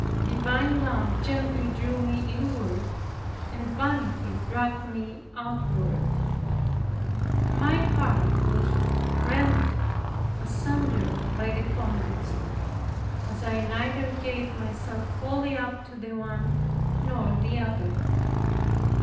Divine love gently drew me inward, and vanity dragged me outward. My heart was rent asunder by the contest, as I neither gave myself wholly up to the one nor the other.